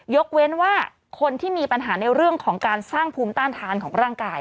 ยกเว้นว่าคนที่มีปัญหาในเรื่องของการสร้างภูมิต้านทานของร่างกาย